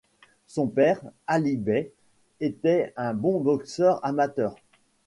Son père, Alibay, était un bon boxeur amateur.